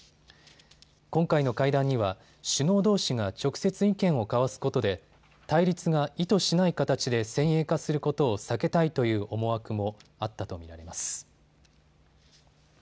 今回の会談には首脳どうしが直接意見を交わすことで対立が意図しない形で先鋭化することを避けたいという思惑もあったと見られます。